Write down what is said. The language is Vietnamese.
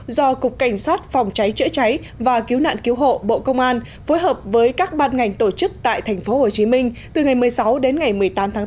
do cục cảnh sát phòng cháy chữa cháy và cứu nạn cứu hộ bộ công an phối hợp với các ban ngành tổ chức tại tp hcm từ ngày một mươi sáu đến ngày một mươi tám tháng bốn